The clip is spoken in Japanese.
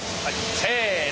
せの。